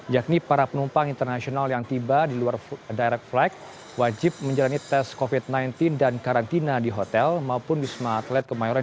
yakni para penumpang internasional yang tiba di luar direct flight wajib menjalani tes covid sembilan belas dan karantina di hotel maupun di wisma atlet kemayoran